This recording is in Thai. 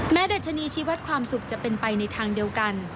ดัชนีชีวัตรความสุขจะเป็นไปในทางเดียวกัน